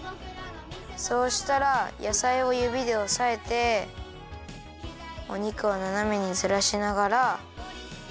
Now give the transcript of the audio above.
そうしたらやさいをゆびでおさえてお肉をななめにずらしながら。